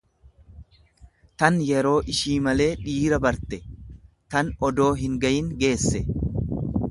tan yeroo ishii malee dhiira barte, tan odoo hingayin geesse.